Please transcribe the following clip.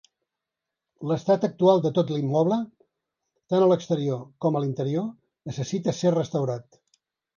L'estat actual de tot l'immoble, tant a l'exterior com a l'interior, necessita ser restaurat.